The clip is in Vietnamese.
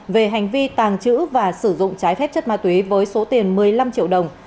về hành vi tàng trữ và sử dụng trái phép chất ma túy với số tiền một mươi năm triệu đồng